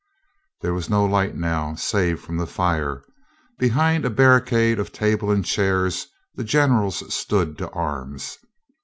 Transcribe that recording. There was no light now, save from the fire. Be hind a barricade of table and chairs, the generals stood to arms.